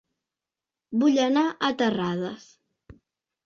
Vull anar a Terrades